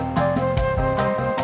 ya ya siap